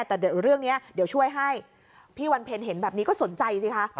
แต่เดี๋ยวเรื่องนี้เดี๋ยวช่วยให้พี่วันเพ็ญเห็นแบบนี้ก็สนใจสิคะ